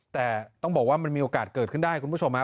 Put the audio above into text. แต่ต้องบอกว่ามันมีโอกาสเกิดขึ้นได้คุณผู้ชมฮะ